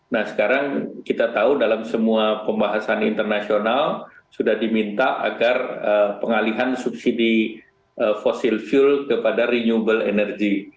nah sekarang kita tahu dalam semua pembahasan internasional sudah diminta agar pengalihan subsidi fossil fuel kepada renewable energy